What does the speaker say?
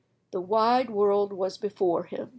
The wide world was before him.